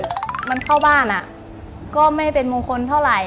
มันเข้าบ้านก็ไม่เป็นมงคลเท่าไหร่